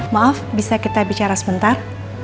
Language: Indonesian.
maaf bisa kita bicara sebentar